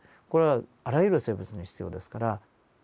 これはあらゆる生物に必要ですから。